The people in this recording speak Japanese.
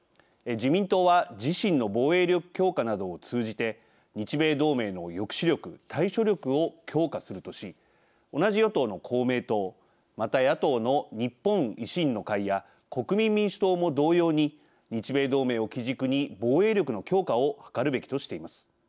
自民党は自身の防衛力強化などを通じて日米同盟の抑止力・対処力を強化するとし同じ与党の公明党また野党の日本維新の会や国民民主党も同様に日米同盟を基軸に防衛力の強化を図るべきとしています。